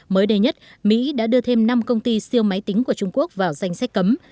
mới đây nhất mỹ đã đưa thêm năm công ty siêu máy tính của trung quốc vào danh sách cấm